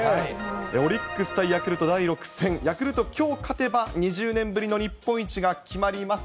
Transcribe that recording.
オリックス対ヤクルト、第６戦、ヤクルト、きょう勝てば２０年ぶりの日本一が決まります。